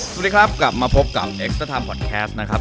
สวัสดีครับกลับมาพบกับเน็ตเตอร์ทามพอดแคสต์นะครับ